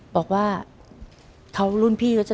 บอกว่าเขารุ่นพี่ก็จะ